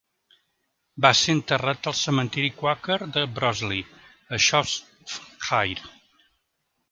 Va ser enterrat al cementiri quàquer de Broseley, a Shropshire.